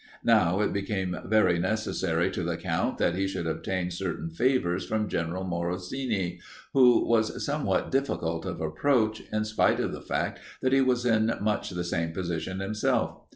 Now it became very necessary to the Count that he should obtain certain favors from General Morosini, who was somewhat difficult of approach, in spite of the fact that he was in much the same position himself.